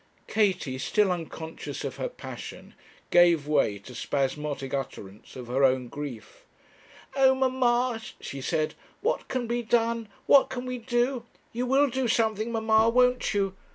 Katie, still unconscious of her passion, gave way to spasmodic utterance of her own grief. 'Oh, mamma!' she said ' what can be done? What can we do? You will do something, mamma, won't you?